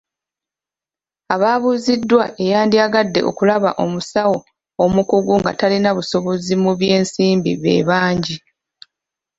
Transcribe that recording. Abaabuuziddwa eyandiyagadde okulaba omusawo omukugu nga talina busobozi mu by'ensimbi bebangi.